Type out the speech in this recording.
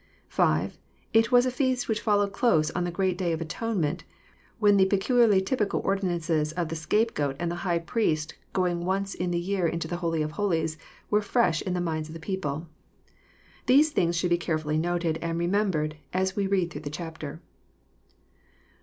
VS) It was a feast which followed close on the great day of atonement, when the pecu liarly typical ordinances of the scapegoat, and the High Priest going once in the year into the holy of holies, were fresh in the minds of the people. These things should be carefully noted, and remembered, as we read through the chapter.